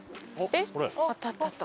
えっ？